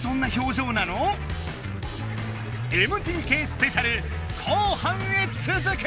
ＭＴＫスペシャル後半へつづく！